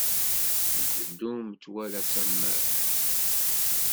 Nteddu metwal asammar.